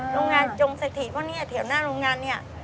โรงงานจงสถิตเพราะเนี่ยแถวหน้าโรงงานเนี่ย